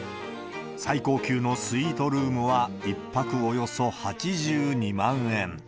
最高級のスイートルームは１泊およそ８２万円。